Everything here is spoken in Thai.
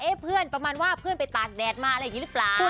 เพื่อนประมาณว่าเพื่อนไปตากแดดมาอะไรอย่างนี้หรือเปล่า